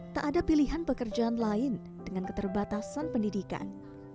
tak ada pilihan pekerjaan lain dengan keterbatasan pendidikan